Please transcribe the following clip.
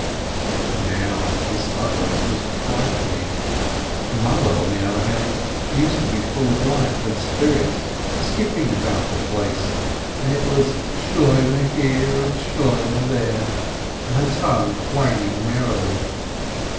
But now his silence was frighten ing ! The mother, on the other hand, used to be full of life and spirits, skipping about the place, and it was "Shloimeh!" here, and "Shloimeh!" there, and her tongue wagging merrily!